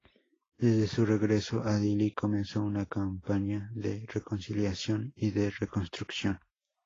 Desde su regreso a Dili, comenzó una campaña de reconciliación y de reconstrucción.